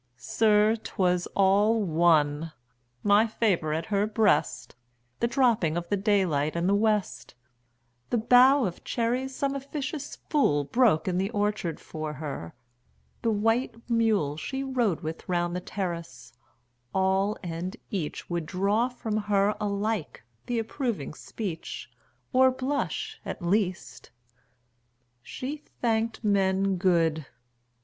Sir, 'twas all one! My favor at her breast, 25 The dropping of the daylight in the West, The bough of cherries some officious fool Broke in the orchard for her, the white mule She rode with round the terrace all and each Would draw from her alike the approving speech, 30 Or blush, at least. She thanked men good!